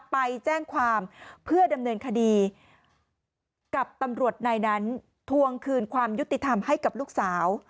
ไปแจ้งความเพื่อดำเนินคดีกับตำรวจนายนั้นทวงคืนความยุติธรรมให้กับลูกสาว